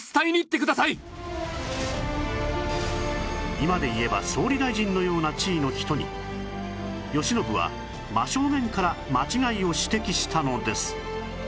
今で言えば総理大臣のような地位の人に慶喜は真正面から間違いを指摘したのです